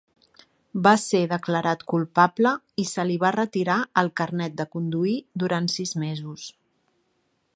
Va ser declarat culpable i se li va retirar el carnet de conduir durant sis mesos.